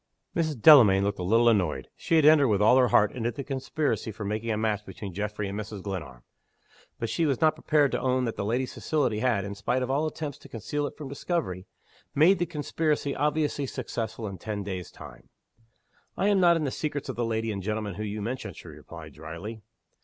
Mrs. Delamayn looked a little annoyed. She had entered, with all her heart, into the conspiracy for making a match between Geoffrey and Mrs. Glenarm. But she was not prepared to own that the lady's facility had (in spite of all attempts to conceal it from discovery) made the conspiracy obviously successful in ten days' time. "I am not in the secrets of the lady and gentleman whom you mention," she replied, dryly.